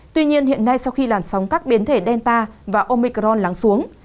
tuy nhiên hiện nay sau khi làn sóng các biến thể delta và omicron lắng xuống